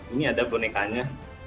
ini ada bonekanya